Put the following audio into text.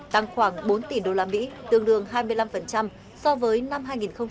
tăng khoảng bốn tỷ usd tương đương hai mươi năm so với năm hai nghìn hai mươi hai